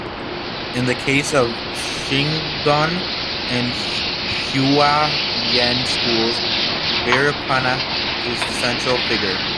In the case of Shingon and Hua-Yen schools, Vairocana is the central figure.